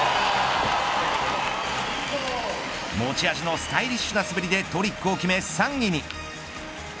持ち味のスタイリッシュな滑りでトリックを決め３位に。